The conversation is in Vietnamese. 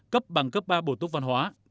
cấp bằng cấp ba bổ tốc văn hóa